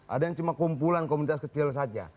ada yang cuma kumpulan komunitas kecil saja